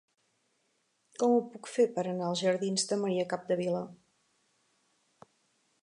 Com ho puc fer per anar als jardins de Maria Capdevila?